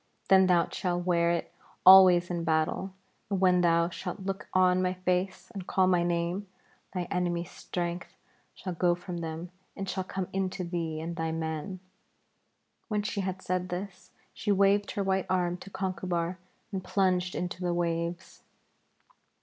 Then thou shalt wear it always in battle, and when thou shalt look on my face and call my name, thy enemies' strength shall go from them and shall come into thee and thy men.' When she had said this, she waved her white arm to Conchubar and plunged into the waves.